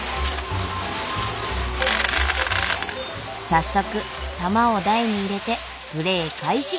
早速玉を台に入れてプレー開始！